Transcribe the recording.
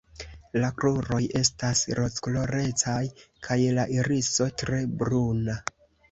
La kruroj estas rozkolorecaj kaj la iriso tre bruna.